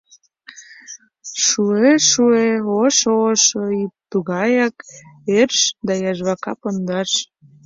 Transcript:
Шуэ-шуэ, ошо-ошо ӱп, тугаяк ӧрыш да яжвака пондаш.